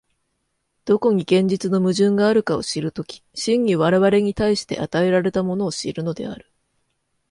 どこに現実の矛盾があるかを知る時、真に我々に対して与えられたものを知るのである。